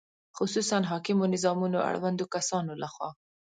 خصوصاً حاکمو نظامونو اړوندو کسانو له خوا